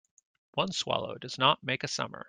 One swallow does not make a summer.